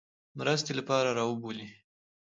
مرستې لپاره را وبولي.